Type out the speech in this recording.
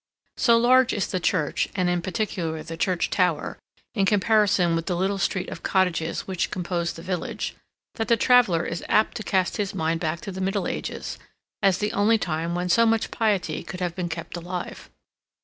So large is the church, and in particular the church tower, in comparison with the little street of cottages which compose the village, that the traveler is apt to cast his mind back to the Middle Ages, as the only time when so much piety could have been kept alive.